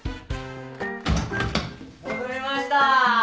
・・戻りました！